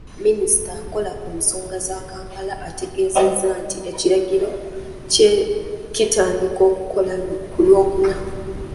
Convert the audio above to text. Minisita akola ku nsonga za Kampala ategeezezza nti ekiragiro kye kitandika okukola ku Lwokuna.